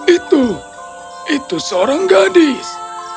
itu itu seorang gadis